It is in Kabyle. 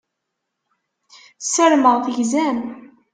Ssarameɣ tegzam.